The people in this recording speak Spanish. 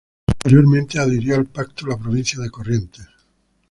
Posteriormente adhirió al pacto la provincia de Corrientes.